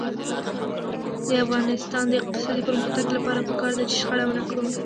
د افغانستان د اقتصادي پرمختګ لپاره پکار ده چې شخړه ونکړو.